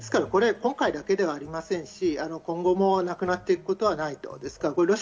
今回だけではありませんし、今後もなくなっていくことはないと。